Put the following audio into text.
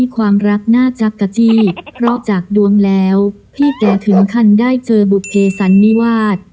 ความรักน่าจักรจี้เพราะจากดวงแล้วพี่แกถึงขั้นได้เจอบุภเพสันนิวาส